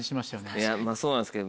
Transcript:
いやまぁそうなんですけど。